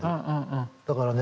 だからね